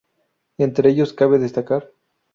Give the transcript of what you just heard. Entre ellos cabe destacar.